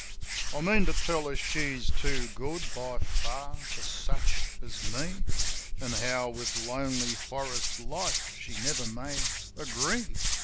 I mean to tell her she's too good^ by far, for such as me, An' how with lonely forest life she never may agree.